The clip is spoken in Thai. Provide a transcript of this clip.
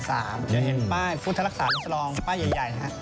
จะเห็นป้ายพุทธฤกษารักษานิศรองป้ายใหญ่